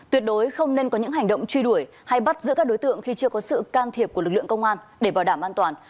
tuyệt đối không nên có những hành động truy đuổi hay bắt giữa các đối tượng khi chưa có sự can thiệp của lực lượng công an để bảo đảm an toàn